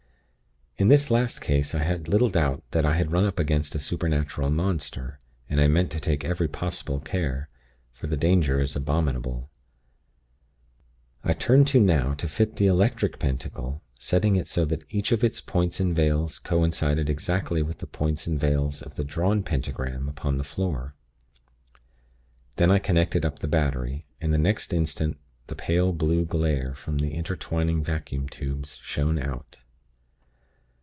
"In this last case I had little doubt that I had run up against a supernatural monster, and I meant to take every possible care; for the danger is abominable. "I turned to now to fit the Electric Pentacle, setting it so that each of its 'points' and 'vales' coincided exactly with the 'points' and 'vales' of the drawn pentagram upon the floor. Then I connected up the battery, and the next instant the pale blue glare from the intertwining vacuum tubes shone out.